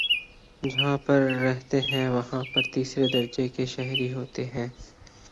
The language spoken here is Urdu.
جہاں پر رہتے ہیں وہاں پر تیسرے درجے کے شہری ہوتے ہیں